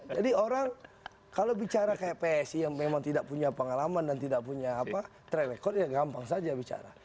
jadi orang kalau bicara kayak psi yang memang tidak punya pengalaman dan tidak punya track record ya gampang saja bicara